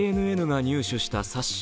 ＪＮＮが入手した冊子。